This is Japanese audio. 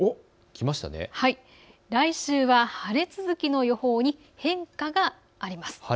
来週は晴れ続きの予報に変化があります。